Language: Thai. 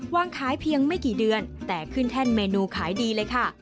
วางขายเพียงไม่กี่เดือนแต่ขึ้นแท่นเมนูขายดีเลยค่ะ